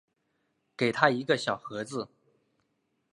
给他一个小盒子